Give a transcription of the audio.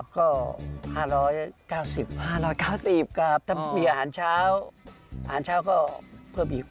ก็๕๙๕๙๐ครับถ้ามีอาหารเช้าอาหารเช้าก็เพิ่มอีก